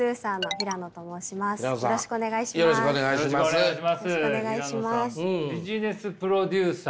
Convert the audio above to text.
平野さんビジネスプロデューサー。